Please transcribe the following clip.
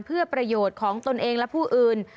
เพื่อประโยชน์ของตนเองและผู้อื่น